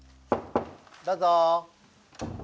どうぞ。